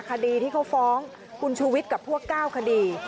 คดีที่เขาฟ้องคุณชูวิทย์กับพวก๙คดี